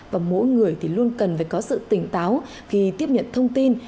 và mỗi người thì luôn cần phải có sự tỉnh táo khi tiếp nhận thông tin